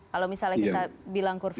kalau misalnya kita bilang kurva